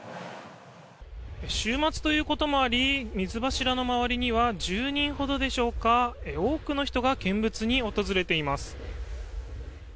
週末ということもあり水柱の周りには１０人ほどでしょうか多くの人が見物に訪れています。